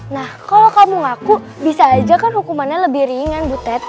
nah kalau kamu ngaku bisa aja kan hukumannya lebih ringan bu tet